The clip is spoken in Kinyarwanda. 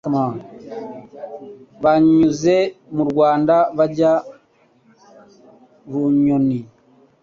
banyuze mu Rwanda bajya Runyoni